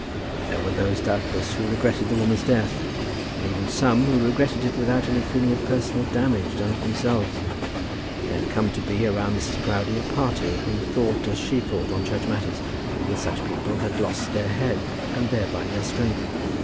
There were those, doubtless, who regretted the woman's death, and even some who regretted it without any feeling of personal damage done to themselves. There had come to be around Mrs. Proudie a party who thought as she thought on church matters, and such people had lost their head, and thereby their strength.